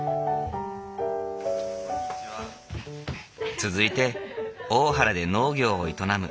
続いて大原で農業を営む